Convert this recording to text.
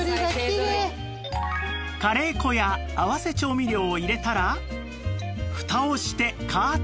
カレー粉や合わせ調味料を入れたらフタをして加圧。